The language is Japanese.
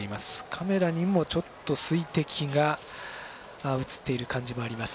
カメラにも、ちょっと水滴が映っている感じもあります。